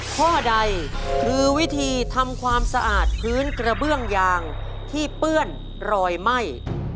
ข้อใดคือวิธีทำความสะอาดพื้นกระเบื้องยางที่เปื้อนรอยไหม้